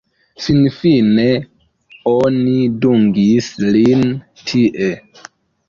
Finfine oni dungis lin tie.